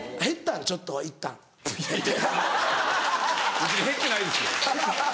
別に減ってないです。